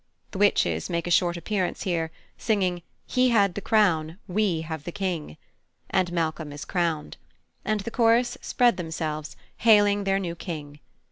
The Witches make a short appearance here, singing "He had the crown, we have the King," and Malcolm is crowned; and the chorus spread themselves, hailing their new King.